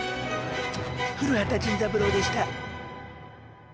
古畑ジンズ三郎でした。